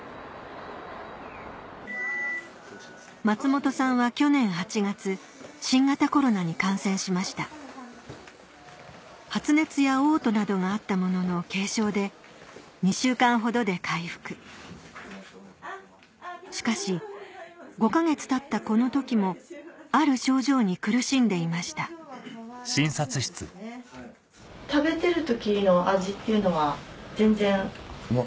松本さんは去年８月新型コロナに感染しました発熱や嘔吐などがあったものの軽症で２週間ほどで回復しかし５か月たったこの時もある症状に苦しんでいました変わらず。